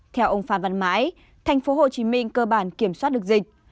theo ông phan văn mãi tp hcm cơ bản kiểm soát được dịch